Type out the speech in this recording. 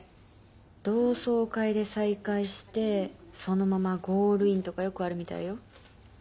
同窓会で再会してそのままゴールインとかよくあるみたいよ。